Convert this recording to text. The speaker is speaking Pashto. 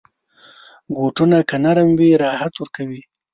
بوټونه که نرم وي، راحت ورکوي.